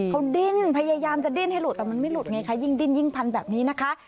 เขาดิ้นพยายามจะดิ้นให้หลุดแต่มันไม่หลุดไงคะยิ่งดิ้นยิ่งพันแบบนี้นะคะ